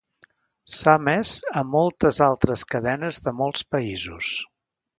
S'ha emès a moltes altres cadenes de molts països.